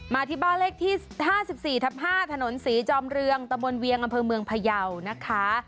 ที่บ้านเลขที่๕๔ทับ๕ถนนศรีจอมเรืองตะบนเวียงอำเภอเมืองพยาวนะคะ